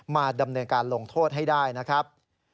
มาดำเนินการลงโทษให้ได้นะครับ